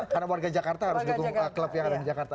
karena warga jakarta harus dukung klub yang ada di jakarta